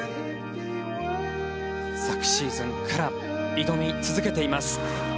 昨シーズンから挑み続けています。